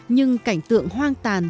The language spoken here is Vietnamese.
nhưng cảnh tượng hoang tàn